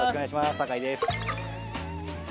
酒井です。